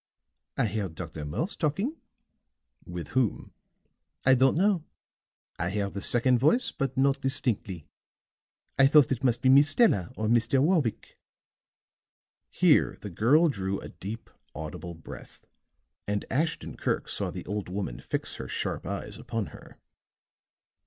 "I heard Dr. Morse talking." "With whom?" "I don't know. I heard a second voice, but not distinctly. I thought it must be Miss Stella or Mr. Warwick." Here the girl drew a deep, audible breath, and Ashton Kirk saw the old woman fix her sharp eyes upon her.